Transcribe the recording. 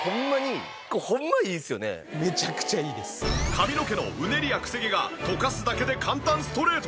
髪の毛のうねりやくせ毛がとかすだけで簡単ストレート。